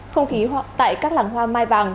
phong khí tại các làng hoa mai vàng